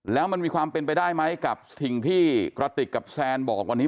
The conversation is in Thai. แล้วมันมีความเป็นไปได้ไหมกับสิ่งที่กระติกกับแซนบอกวันนี้